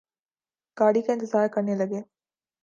گاڑی کا انتظار کرنے لگے